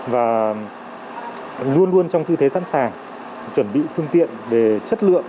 và luôn luôn trong tư thế sẵn sàng chuẩn bị phương tiện về chất lượng